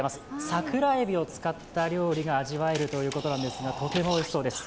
桜海老を使った料理が味わえるということですがとてもおいしそうです。